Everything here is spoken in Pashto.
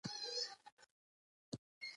د سیریلیون کورنۍ جګړه په لومړي سر کې پیل شوې وه.